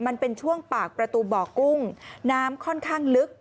มันเป็นช่วงปากประตูบ่อกุ้งน้ำค่อนข้างลึก